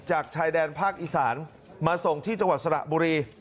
ชายแดนภาคอีสานมาส่งที่จังหวัดสระบุรี